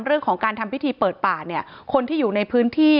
เรื่องของการทำพิธีเปิดป่าเนี่ยคนที่อยู่ในพื้นที่